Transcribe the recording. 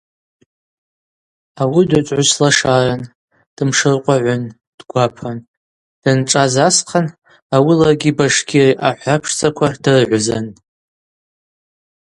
Ауи дгӏвычӏвгӏвыс лашаран, дымшыркъвагӏвын, дгвапан, даншӏаз асхъан ауи ларгьи Башкирия ахӏврапшдзаква дыргӏвызан.